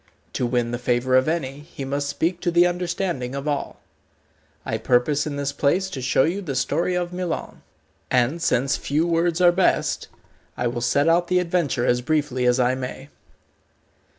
To win the favour of any, he must speak to the understanding of all. I purpose in this place to show you the story of Milon, and since few words are best I will set out the adventure as briefly as I may.